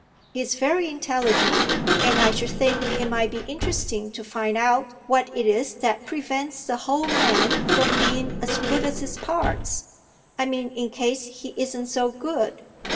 He's very intelligent, and I should think it might be interesting to find out what it is that prevents the whole man from being as good as his parts. I mean in case he isn't so good."